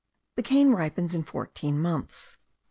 The cane ripens in fourteen months.